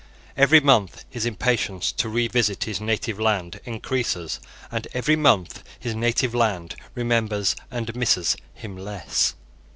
Every month his impatience to revisit his native land increases; and every month his native land remembers and misses him less.